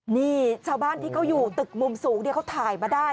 นี่ชาวบ้านที่เขาอยู่ตึกมุมสูงเขาถ่ายมาได้